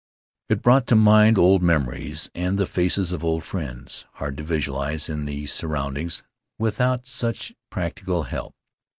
It brought to mind old memories and the faces of old friends, hard to visualize in those surroundings without such practical help.